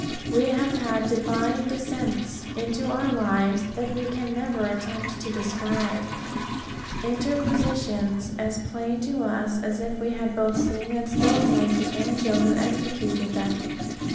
We have had divine descents into our lives that we can never attempt to describe. Interpositions as plain to us as if we had both seen and spoken with the angel who executed them.